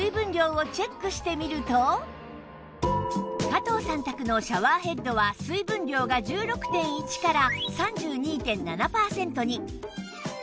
加藤さん宅のシャワーヘッドは水分量が １６．１ から ３２．７ パーセントに